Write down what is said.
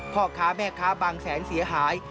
พ่อค้าแม่ค้าบางแสนเสียหาย